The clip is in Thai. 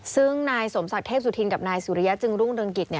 ซึ่งนายสมศักดิ์เทพสุธินกับนายสุริยะจึงรุ่งเรืองกิจ